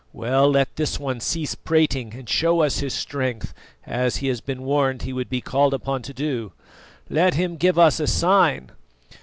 Well, let this one cease prating and show us his strength, as he has been warned he would be called upon to do. Let him give us a sign.